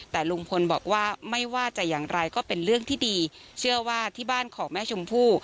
แต่ลุงพลบอกว่าไม่ว่าจะอย่างไรก็เป็นเรื่องที่ดีเชื่อว่าที่บ้านของแม่ชมพู่